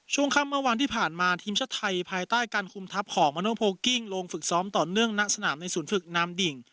ช่วงค่ำเมื่อวานที่ผ่านมาทีมชาติไทยภายใต้การคุมทัพของมาโนโพลกิ้งลงฝึกซ้อมต่อเนื่องณสนามในศูนย์ฝึกนามดิ่ง